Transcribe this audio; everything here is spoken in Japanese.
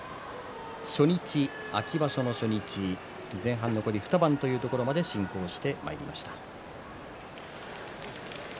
秋場所の初日前半残り２番というところまで進行してまいりました。